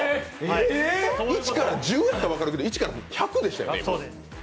１から１０やったら分かるけど１から１００ですよね？